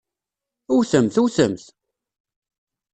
Wwtemt! Wwtemt!